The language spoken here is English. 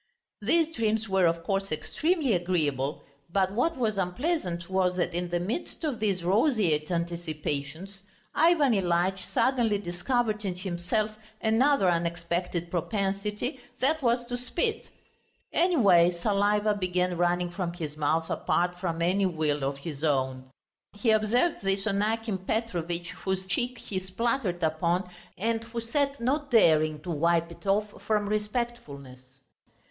These dreams were, of course, extremely agreeable, but what was unpleasant was that in the midst of these roseate anticipations, Ivan Ilyitch suddenly discovered in himself another unexpected propensity, that was to spit. Anyway saliva began running from his mouth apart from any will of his own. He observed this on Akim Petrovitch, whose cheek he spluttered upon and who sat not daring to wipe it off from respectfulness.